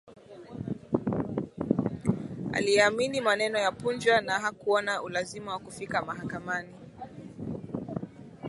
Aliyaamini maneno ya Punja na hakuona ulazima wa kufika mahakamani